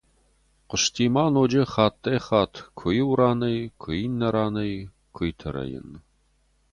Хъуысти ма ноджы хаттӕй-хатт куы иу ранӕй, куы иннӕ ранӕй куыйты рӕйын.